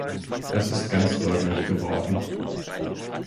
Das ist ganz deutlich geworden.